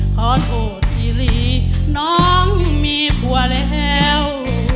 ขอโทษทีหลีน้องมีผัวแล้ว